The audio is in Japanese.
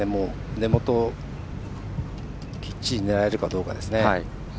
根元、きっちり狙えるかどうかですね。